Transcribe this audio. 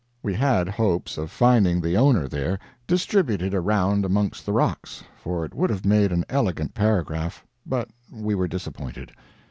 We had hopes of finding the owner there, distributed around amongst the rocks, for it would have made an elegant paragraph; but we were disappointed.